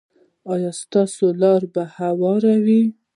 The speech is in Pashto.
ایا ستاسو لاره به هواره وي؟